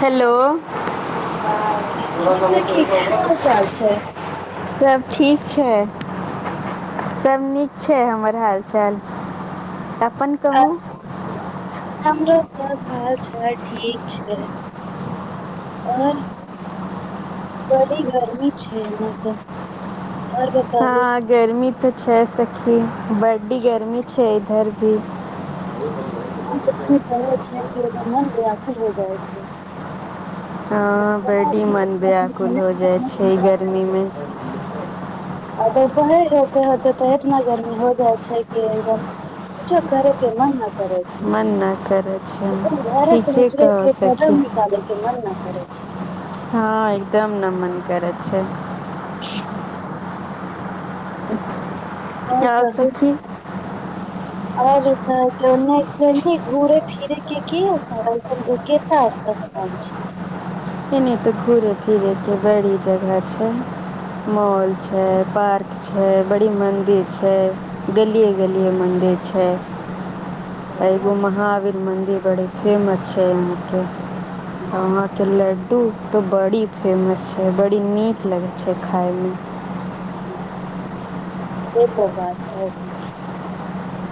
hello की सखी की हाल चाल छै [unintelligible] सब ठीक छै सब नीक छै हमर हाल चाल आ हमरो सब हाल चाल ठीक छै आओर बरी गरमी छै ए ने तऽ और बताबू हँ गर्मी तऽ छै सखी बडी गर्मी छै पर भी कह छै मन व्याकुल हो जाइ छै हँ बड्डी मन व्याकुल हो जाइ छै गर्मीमे [inaudible] आ तऽ उपहे होते होते तऽ इतना गर्मी हो जाइ छै कि एकदम किछो करे के मन न करै मन न करै छै भार ठीके समचरे कहौ सखी कगम निकाले के मन न करे छै [unintelligible] हँ एकदम ना मन करत छै [inaudible] आओ सखी आओर जेता केने केने घूरे फिरे के कि ओ सा केता बस हम छी एने त घूरे फिरे के बड़ी जगह छै मॉल छै पार्क छै बड़ी मंदिर छै गलिये गलिये मंदिर छै छै ने एगो महावीर मंदिर बड़ी फेमस छै यहां के आ वहां के लड् डु तऽ बड़ी फेमस छै बड़ी नीक लगै छै खायमे ठीक ओ बात कहै स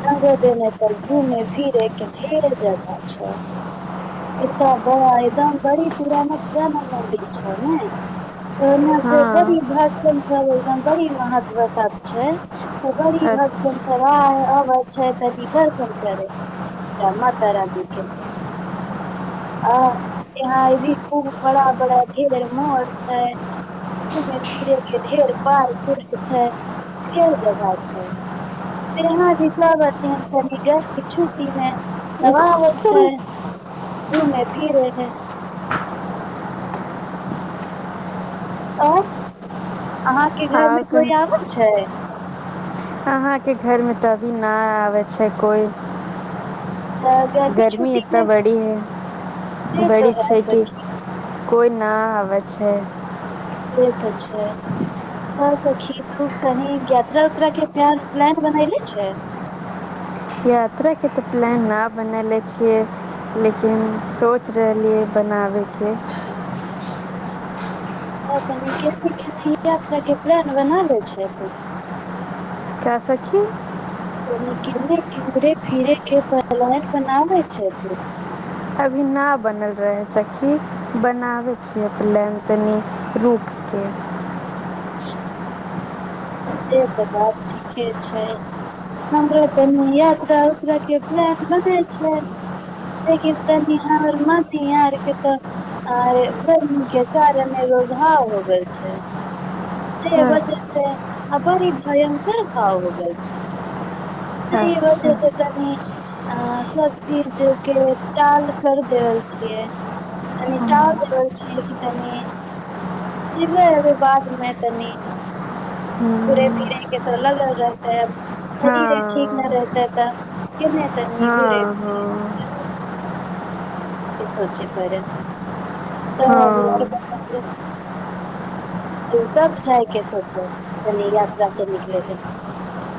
रंगो देने तऽ घूमे फिरे के ढ़ेर जगह छै एतऽ बा एकदम बड़ी पुराना पुराना मंदिर छै ने त एने सब बड़ी हाँ भक्तन सब बड़ी महत्वता छै त बरी भक्तन अच्छा सब आइ अवै छै अथि दर्शन करे ला मातारानी के ह यहाँ भी खूब बड़ा बड़ा ढेरे मॉल छै घूमे फिरेके ढेर पार्क उर्क छै ढेर जगह छै यहां जे सब एथिन तनीक के छुट्टी मे ई तब आबै कथी छै करी घूमे फिरे के [unintelligible] आओर अहाँके घर हाँ मे कोई आबै छै अहाँके घरमे तऽ अभी नहि आबै छै कोइ तऽ गर्मी छुट्टी एतना मे बड़ी है से तो बड़ी है छै कि सखी कोइ न आवै छै से त छै बस सखी तू कहीं के यात्रा उत्रा के प्यार प्लान बनैले छै यात्रा के तऽ प्लान न बनैले छियै लेकिन सोचि रहलियै बनाबयके ह तनि केने केने यात्रा के प्लान बनाबै छै क्या सखी केने घूमे फीरे के प्लान बनाबै छै तु अभी न बनल रहै सखी बनावै छियै प्लान तनी रूक के [unintelligible] से तऽ बात ठीके छै हमरा तनि यात्रा उत्रा के प्लान बनेै छै लेकिन तनि हमर मम्मी आरके तऽ आ इ गर्मी के कारण एगो घाव हो गेल छै से हँ वजह से आ बड़ी भयंकर घाव हो गेल छै सेहि वजह अच्छा से तनि अं सब चीज के टाल कर देेवल छियै तनि टाल देवल छियै कि तनि जैबै अभी बादमे तनी घुरे फिरे के त लागल रहतेै शरीरे ठीक नै हाँ रहतै त केने तनी घूरे हाँ फिरे हाँ के सोचै परैत हाँ तऽ कब जायके सोचै तनि यात्रा पे निकलै ला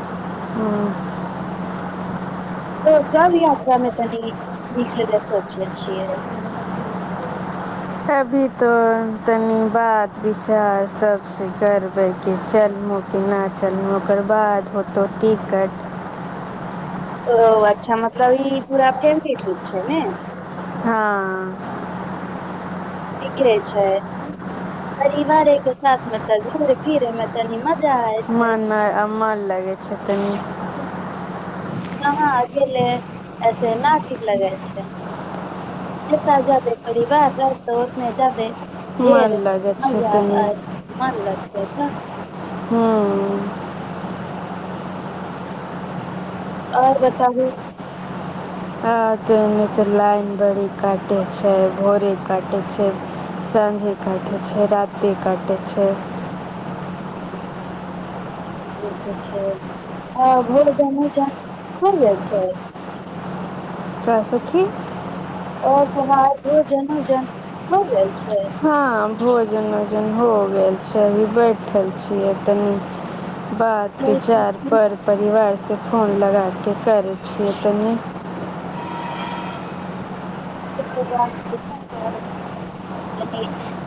हँ तऽ कब यात्रामे तनी निकलै ले सोचे छियै [inaudible] अभी तो तनी बात विचार सबसे करबैके चलमु केना चलमुं ओकर बाद होतौ टिकट ओ अच्छा मतलब ई पूरा फेमीली ट्रीप छै ने हँ ठीके छै परिवारे के साथमे तब घूर फिरे मे तनि म मन मन लगे छै तनी कहाँ अकेले ऐसे न ठीक लगै छै जितना जादे परिवार रहत उतने जादे हे मन लगै छै मजा तनी एत मन लगते त हूं आओर बताबू आ त ओने तऽ लाइन बड़ी काटे छै भोरे काटे छै सााँझे काटे छै राति काटे छै ई त छै आ भोजन उजन होइ गेल छै त सखी त भोजन उजन हो जाय छै हँ भोजन ओज हो गेल छै अभी बैठल छियै तनी बात जैसे विचार कि पर परिवार से फोन लगा के करै छियै तनि [unintelligible]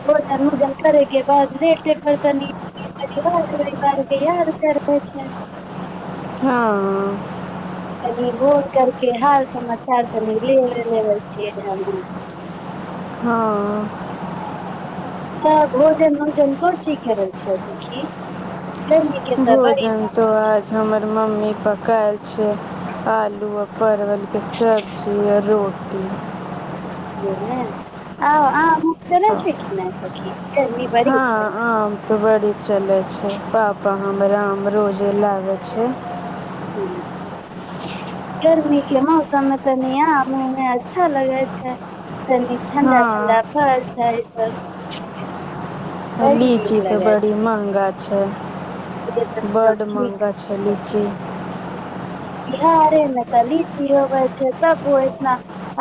भोजन ओजन करे के बाद गेटे पर कनी धियार कर ने छै हँ कनी फोन न करके हाल समाचार तनी ले ले छियै हमू [unintelligible] अं हं भोजन उजन कोन चीखे छै सखी गर्मी के तऽ बड़ी भोजन तो समस्या आज हमर मम्मी पकायल छै आलू आ परवल के सब्जी आ रोटी ने आउ अहाँ चलै छै किनहि सखि कनी बड़ी छै तऽ बड़ी चलै छै पापा हमराम रोजे लागै छै [unintelligible] गरमी के मौसममे तनी आम उमे अच्छा लगे छै कनी ठण्डा ठण्डा हाँ फल छै सब बड़ी नीक लीची तऽ लगे बड़ी छै मन्हगा छ ये त सब बड्ड ठीक महँगा छै लीची बिहारे में तऽ लीची होबै छै तब ओ एतना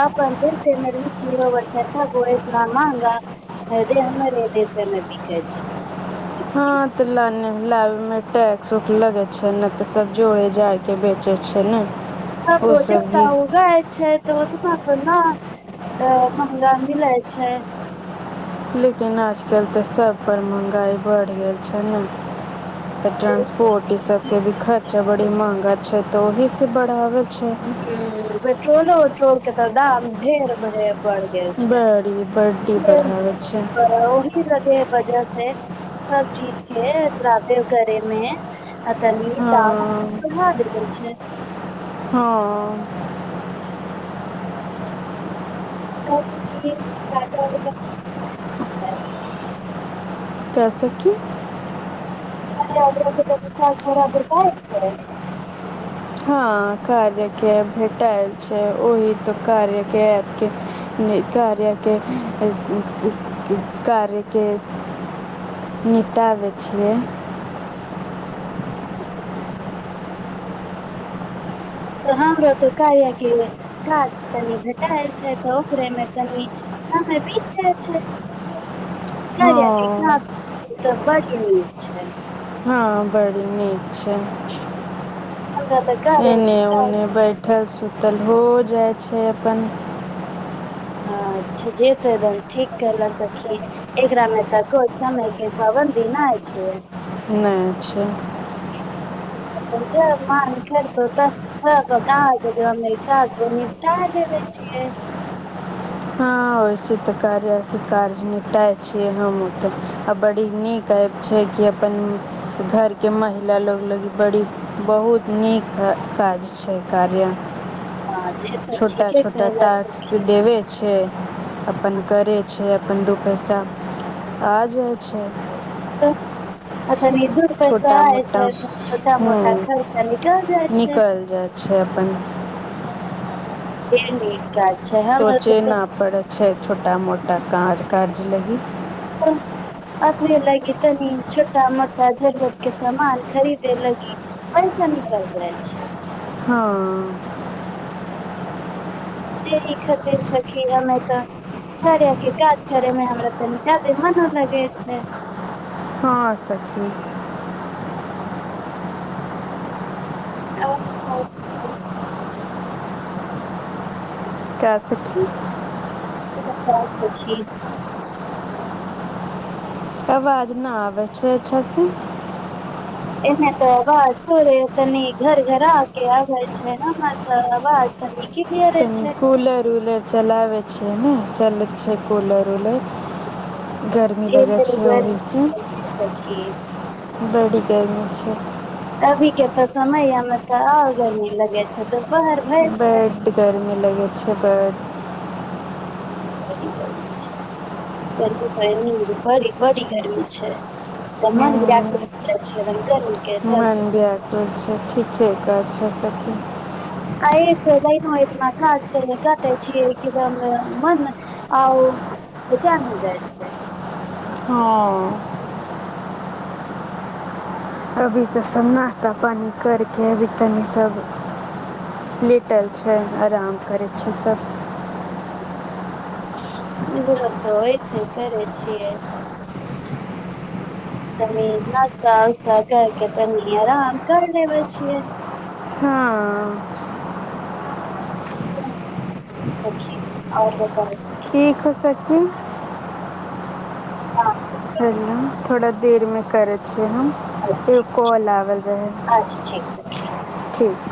आपन दिल मे लीची इतना महंगा हरी हमर ऐ दिस स नजदीक अछि हँ तऽ ल ल मे टैक्स उक्स लगे छै ने तऽ सब्जी ओड़े जाड़ के बेचे छै ने उबजाय छै एो तऽ सा ने महंगा मिलै छै लेकिन आजकल तऽ सभपर महँगाइ बढ़ि गेल छै ने तऽ ट्रानंसपोर्ट ई सब के भी खर्चा बड़ी महंगा छै तऽ ओहि से बढ़ावे हम्म पेट्रोलो ओट्रोल केत दाम ढेर बढ़े ब अछि बड़ी बड्डी बढ़ाबै छै ओ के वजह से सब चीज के दामे करेमे आ तनी त हँ कहा देेल छै हँ त सखी कैसे कि स बराबर छै हां कार्यके भेटएल छै ओहि तऽ कार्यके नै कार्यके कार्यके निटाबै छियै तऽ हमरो तऽ कार्या के काज कनि भेटायल छै तऽ ओकरेमे कनि समय बीत जाय छै [unintelligible] कार्या के काज हँ तऽ बड़ यै नीक छै हँ बड़ नीक हमरा तऽ कार्या के एने काज ओने बैठल सु त लौ जाइ छै अपन हां जे कैतेन ठीक कैलेन सखी एकरा मे तऽ समय के दीना अछि नैय छै जब मन करतौ तऽ बता ज अमेरिका आगो निपटाार लेब छियै हँ वैसे तऽ कर र के काज निपटा छीिय हमते आ बड़ी नीक छै कि अपन घरके महिला लोग लोग बड़ी बहुत नीक है काज छै कार्य हँ जे तऽ छोटा ठीके छोटा कहल सखी टास्क देबे अपन करै छै अपन दू पैसा आ जाय छै ओ तरि दु पैसो छोटा आ मोटा छै त छोटा हूँ मोटा खर्चा निकल जाइ छै निकल जाइ छै [unintelligible] [unintelligible] हमर सोचे तऽ न परै छै छोटा मोटा कार्य करछै लगी [unintelligible] अपने लगी तनी छोटा मोटा जरूरत के समान खरीदे लगी पैसा निकल जाय छै हँ जे नीक जेते सखी हमे तऽ करेके काज करेमे हमरा तनी ज्यदे मोनो लगे छै हँ सखी त कर [inaudible] का सखी खी [inaudible] आवाज न आबै छै अच्छा से एने त अवाज बरे तनी झर झरा के आबै छै हमर त अवाज तनी क्लियरे तनी छै कूलर उलर चलाबै छियै न चलै छै कूलर उलर गरमी लगै ढेर छै ओवी गर्मी से छै सखी बड़ी गर्मी छै अभी के तऽ समयामे तऽ और गरमी लगे छै दुपहर भय छै बड गर्मी लगैत छै बड बड़ी गरमी छै गरमी त बड़ बड़ी गरमी छै ग ने हम्म छै [inaudible] रकर मन ब्याकुल छै ठ ठीके कहै सखी आए त लाइनो एतना कट कर काटै छियै किद मन आउ हजा हो [inaudible] जाै छै हँ अभी तऽ सभ नाश्ता पानि करि कऽ अभी तनि सभ लेटल छै आराम करै छै सभ इम्हरो तऽ ओहिसे करै छियै तनी नस्ता उस्ता करके तनी आराम कर लेबै छियै हँ और बताहो सखी ठीक सखी ह हेलो थोड़ा देरमे करै छी हम बताउ एगो कॉल आगेल रहै आज ठीक से ठीक